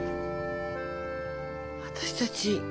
私たち